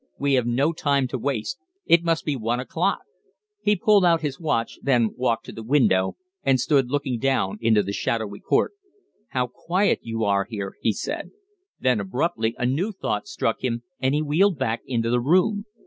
We have no time to waste. It must be one o'clock." He pulled out his watch, then walked to the window and stood looking down into the shadowy court. "How quiet you are here!" he said. Then abruptly anew thought struck him and he wheeled back into the room.